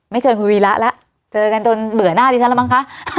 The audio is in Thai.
เชิญคุณวีระแล้วเจอกันจนเบื่อหน้าดิฉันแล้วมั้งคะ